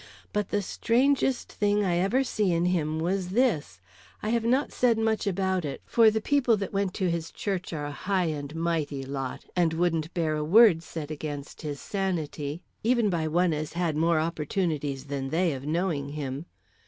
"But the strangest thing I ever see in him was this: I have not said much about it, for the people that went to his church are a high and mighty lot, and wouldn't bear a word said against his sanity, even by one as had more opportunities than they of knowing him.